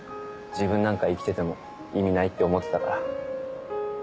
自分なんか生きてても意味ないって思ってたから。